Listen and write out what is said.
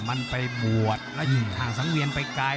มันไปบวชแล้วอยู่ห่างสังเวียนไปไกล